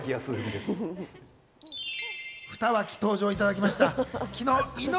ふた脇、登場いただきました。